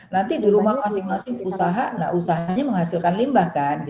nanti di rumah masing masing usaha nah usahanya menghasilkan limbah kan